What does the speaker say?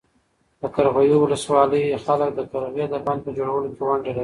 د قرغیو ولسوالۍ خلک د قرغې د بند په جوړولو کې ونډه لري.